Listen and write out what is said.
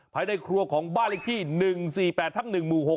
ภายในครัวของบ้านเลขที่๑๔๘ทับ๑หมู่๖